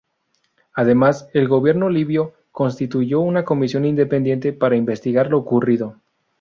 Además, el gobierno libio constituyó una comisión independiente para investigar lo ocurrido.